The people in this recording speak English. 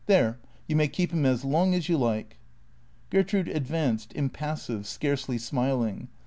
There — you may keep him as long as you like." Gertrude advanced, impassive, scarcely smiling.